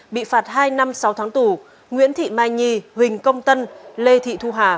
bị phạt hai năm sáu tháng tù nguyễn thị mai nhi huỳnh công tân lê thị thu hà